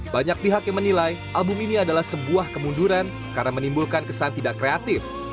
banyak pihak yang menilai album ini adalah sebuah kemunduran karena menimbulkan kesan tidak kreatif